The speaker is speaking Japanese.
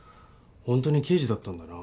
ホントに刑事だったんだな。